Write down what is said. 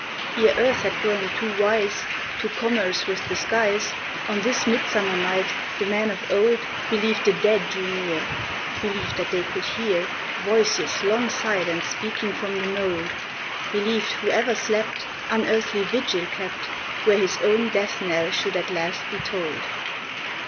Ere earth had grown too wise To commerce with the skies, On this midsummer night the men of old Believed the dead drew near, Believed that they could hear Voices long silent speaking from the mould, Believed whoever slept Unearthly vigil kept Where his own death knell should at last be tolled.